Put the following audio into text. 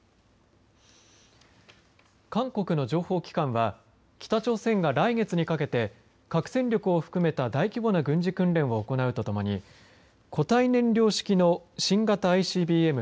韓国の情報機関は北朝鮮が来月にかけて核戦力を含めた大規模な軍事訓練を行うとともに固体燃料式の新型ＩＣＢＭ